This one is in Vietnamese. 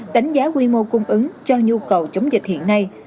đánh giá quy mô cung ứng cho nhu cầu chống dịch hiện nay